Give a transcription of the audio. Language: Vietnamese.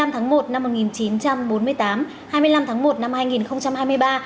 hai mươi tháng một năm một nghìn chín trăm bốn mươi tám hai mươi năm tháng một năm hai nghìn hai mươi ba